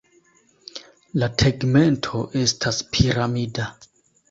La tegmento estas piramida.